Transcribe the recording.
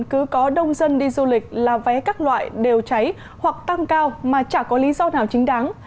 cứ có đông dân đi du lịch là vé các loại đều cháy hoặc tăng cao mà chả có lý do nào chính đáng